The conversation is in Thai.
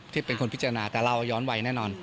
ที่เป็นคนพิจารณาแต่เราย้อนวัยแน่นอน